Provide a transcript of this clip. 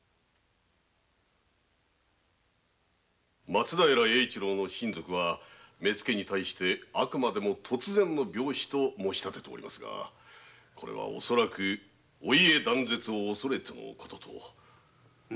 松平英一郎の親族は「目付」に対して突然の病死と申し立てておりますが恐らくお家断絶を恐れてのこと。